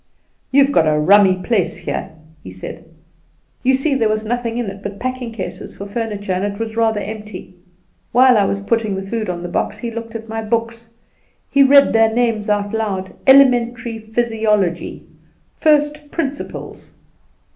"'You've got a rummy place here,' he said. "You see there was nothing in it but packing cases for furniture, and it was rather empty. While I was putting the food on the box he looked at my books; he read their names out aloud. 'Elementary Physiology,' 'First Principles.